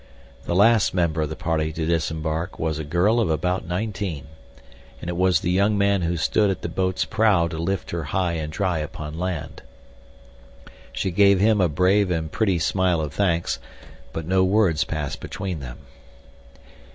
The last member of the party to disembark was a girl of about nineteen, and it was the young man who stood at the boat's prow to lift her high and dry upon land. She gave him a brave and pretty smile of thanks, but no words passed between them.